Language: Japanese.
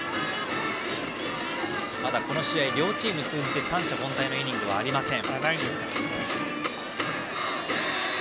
ただ、この試合両チーム通じて三者凡退はありません。